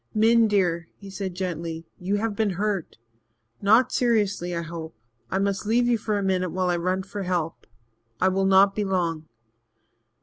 "Min, dear," he said gently, "you have been hurt not seriously, I hope. I must leave you for a minute while I run for help I will not be long."